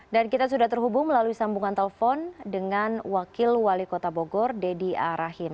dan kita sudah terhubung melalui sambungan telepon dengan wakil wali kota bogor dedy a rahim